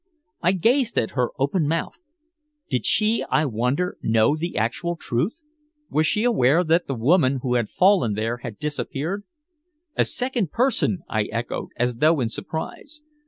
I gazed at her open mouthed. Did she, I wondered, know the actual truth? Was she aware that the woman who had fallen there had disappeared? "A second person!" I echoed, as though in surprise.